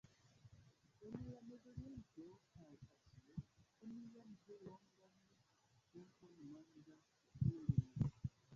En la Mezoriento kaj Azio oni jam tre longan tempon manĝas ilin.